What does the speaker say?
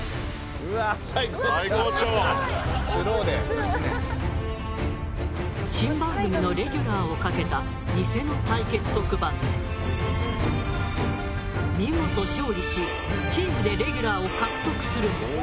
「サイコッチョー」「すごい！オープニング」新番組のレギュラーをかけた偽の対決特番で見事勝利しチームでレギュラーを獲得する。